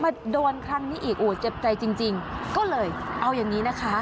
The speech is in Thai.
มาโดนครั้งนี้อีกโอ้เจ็บใจจริงจริงก็เลยเอาอย่างนี้นะคะ